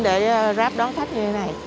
để ráp đón khách như thế này